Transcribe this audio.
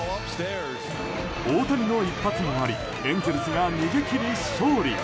大谷の一発もありエンゼルスが逃げ切り勝利。